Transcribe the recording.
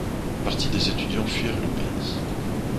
Une partie des étudiants fuirent le pays.